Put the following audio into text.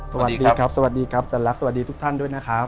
สวัสดีครับสวัสดีครับอาจารย์รักสวัสดีทุกท่านด้วยนะครับ